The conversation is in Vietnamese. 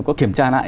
có kiểm tra lại